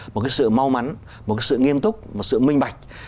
một sự mau mắn một sự nghiêm túc một sự minh bạch